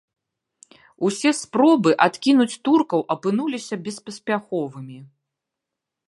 Усе спробы адкінуць туркаў апынуліся беспаспяховымі.